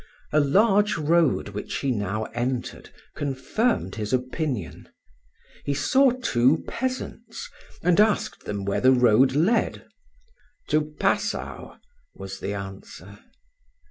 A large road which he now entered confirmed his opinion. He saw two peasants, and asked them where the road led. "To Passau," was the answer.